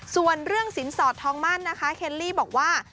ส่วนเรื่องสินสอดทองมั่นนะคะเคลลี่บอกว่า